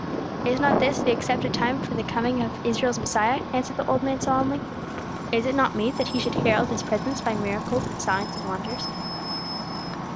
"Is not this the accepted time for the coming of Israel's Messiah?" answered the old man, solemnly. "Is it not meet that he should herald his presence by miracles and signs and wonders?"